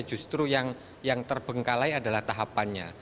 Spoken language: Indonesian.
justru yang terbengkalai adalah tahapannya